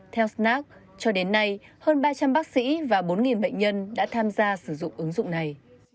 theo snack cho đến nay hơn ba trăm linh bác sĩ và bốn bệnh nhân đã tham gia sử dụng ứng dụng này